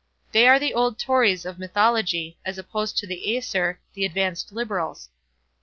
They are the old Tories of mythology, as opposed to the Aesir, the advanced liberals.